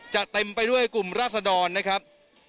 เต็มไปด้วยกลุ่มราศดรนะครับ